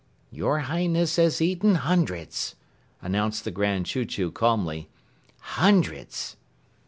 "Your Highness has eaten hundreds," announced the Grand Chew Chew calmly. "Hundreds!"